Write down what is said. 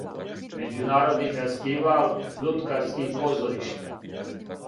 Међународни фестивал луткарских позоришта.